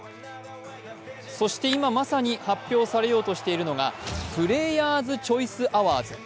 そして、今まさに発表されようとしているのがプレイヤーズ・チョイス・アワーズ。